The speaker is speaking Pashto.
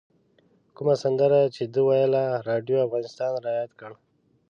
کومه سندره چې ده ویله راډیو افغانستان رایاد کړ.